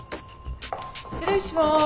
失礼します。